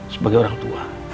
sebagai orang tua